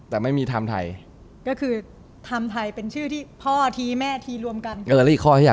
แต่ไม่มีตามไทย